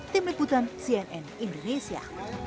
tim ikutan cnn indonesia